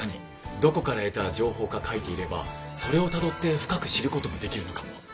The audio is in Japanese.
どこから得た情報か書いていればそれをたどって深く知ることもできるのかも。